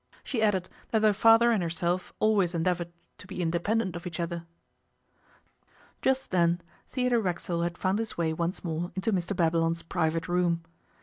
She added that her father and herself always endeavoured to be independent of each other. Just then Theodore Racksole had found his way once more into Mr Babylon's private room.